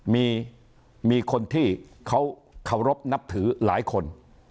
มีคนที่เขาเคารพนับถือหลายคน